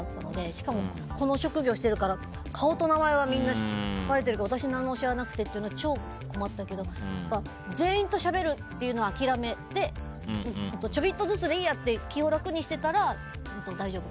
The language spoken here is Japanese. しかもこの職業をしているから顔と名前はみんなにばれてるけど私、何も知らなくてっていうのはすごく困ったんだけど全員としゃべるのは諦めて少しずつでいいと思って気を楽にしてたら大丈夫。